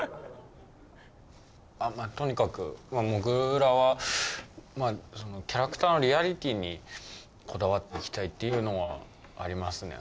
あっまあとにかくもぐらはキャラクターのリアリティーにこだわっていきたいっていうのはありますね